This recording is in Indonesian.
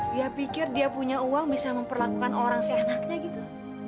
dia pikir dia punya uang bisa memperlakukan orang seenaknya gitu